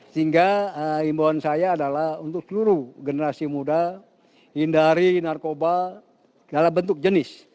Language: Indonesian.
sehingga imbauan saya adalah untuk seluruh generasi muda hindari narkoba dalam bentuk jenis